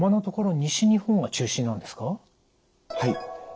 はい。